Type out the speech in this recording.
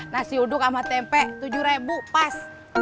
nasi uduk sama tempe tujuh ribu pas